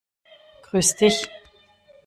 Grüß dich!